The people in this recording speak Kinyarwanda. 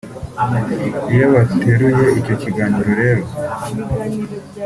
Iyo bateruye icyo kiganiro rero